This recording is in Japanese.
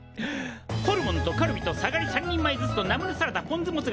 ホルモンとカルビとサガリ３人前ずつとナムルサラダポン酢モツが２つずつ。